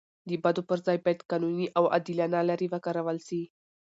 د بدو پر ځای باید قانوني او عادلانه لارې وکارول سي.